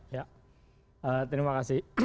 ya terima kasih